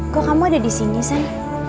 kok kamu ada disini sen